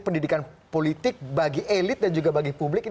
pendidikan politik bagi elit dan publik